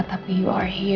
tapi kamu ada disini